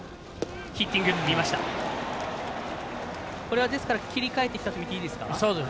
これは、切り替えてきたとみていいですか？